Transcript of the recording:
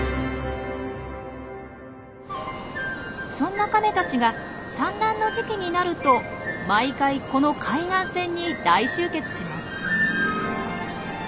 そんなカメたちが産卵の時期になると毎回この海岸線に大集結します。